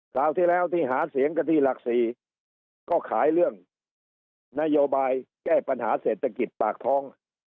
คราวที่แล้วที่หาเสียงกันที่หลัก๔ก็ขายเรื่องนโยบายแก้ปัญหาเศรษฐกิจปากท้อง